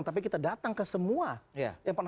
tapi kita datang ke semua yang pernah